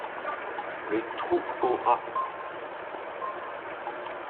Le Trou aux Rats